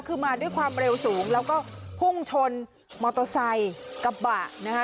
คือมาด้วยความเร็วสูงแล้วก็พุ่งชนมอเตอร์ไซค์กระบะนะคะ